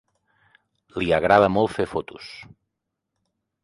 Li agrada molt fer fotos.